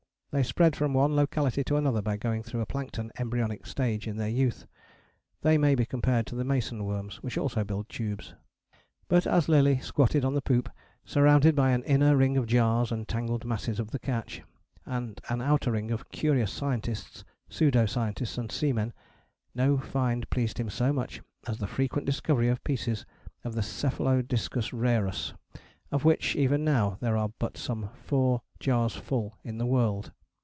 They spread from one locality to another by going through a plankton embryonic stage in their youth. They may be compared to the mason worms, which also build tubes. But as Lillie squatted on the poop surrounded by an inner ring of jars and tangled masses of the catch, and an outer ring of curious scientists, pseudo scientists and seamen, no find pleased him so much as the frequent discovery of pieces of Cephalodiscus rarus, of which even now there are but some four jars full in the world.